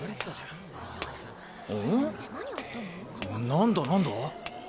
何だ何だ？